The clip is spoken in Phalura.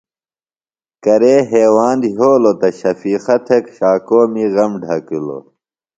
کرے ہیواند یھولوۡ تہ شفیقہ تھےۡ شاکومی غم ڈھکِلوۡ۔